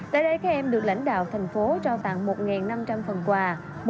tại đây các em được lãnh đạo thành phố trao tặng một năm trăm linh phần quà